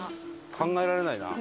考えられないな。